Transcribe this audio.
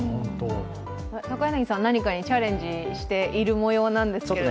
高柳さん、何かにチャレンジしているもようなんですけれども。